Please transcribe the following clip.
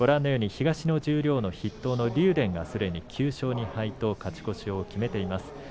東の十両の筆頭の竜電はすでに９勝２敗と勝ち越しを決めています。